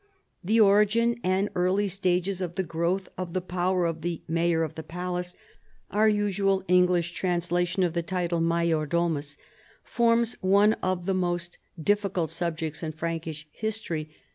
The origin and early stages of the growth of the power of the " maj^or of the palace " (our usual Eng lish translation of the title major domus) form one of the most difficult subjects in Frankish history.